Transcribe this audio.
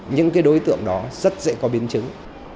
những đối tượng đó rất dễ có biến chứng